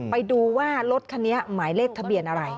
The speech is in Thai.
ไปดูว่ารถคันนี้หมายเลขทะเบียนอะไร